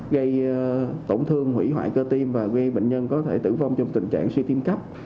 gây tổn thương hủy hoại cơ tim và bệnh nhân có thể tử vong trong tình trạng suy tim cấp